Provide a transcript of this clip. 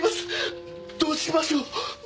どうしましょう！？